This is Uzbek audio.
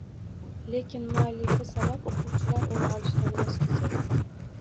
lekin muallifi sabab o‘quvchilar uni olishdan voz kechadi.